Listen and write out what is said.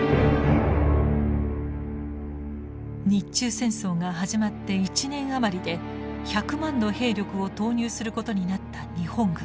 日中戦争が始まって１年余りで１００万の兵力を投入することになった日本軍。